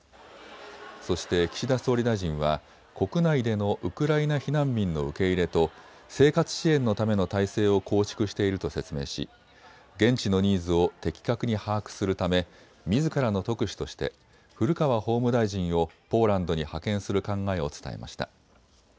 そして岸田総理大臣は国内でのウクライナ避難民の受け入れと生活支援のための体制を構築していると説明し現地のニーズを的確に把握するためみずからの特使として古川法務大臣をポーランドに派遣する考えを伝えました。